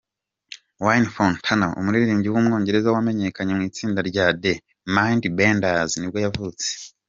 Wayne Fontana, umuririmbyi w’umwongereza wamenyekanye mu itsinda rya The Mindbenders nibwo yavutse.